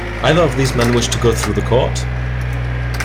Either of these men wish to go through the court?